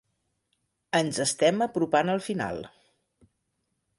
Ens estem apropant al final.